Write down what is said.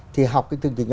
thì học cái chương trình